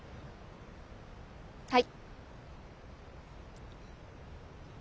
はい。